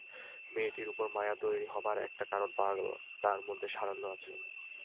মেয়েটির উপর মায়া তৈরি হবার একটি কারণ পাওয়া গেল, তার মধ্যে সারল্য আছে।